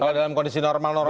kalau dalam kondisi normal normal